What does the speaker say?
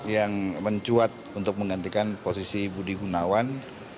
yang mencuat untuk menggantikan posisi budi gunawan